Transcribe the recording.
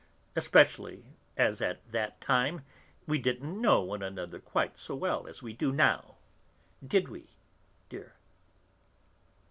Especially as at that time we didn't know one another quite so well as we do now, did we, dear?"